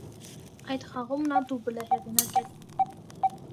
Այդ խաղում նա դուբլ է հեղինակել։